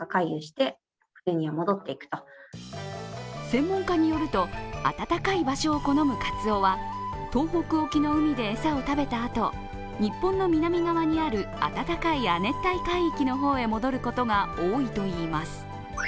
専門家によると、暖かい場所を好むかつおは東北沖の海で餌を食べたあと、日本の南側にある暖かい亜熱帯海域の方へ戻ることが多いといいます。